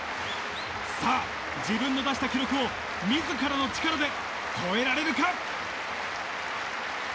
さあ、自分の出した記録を、みずからの力で超えられるか。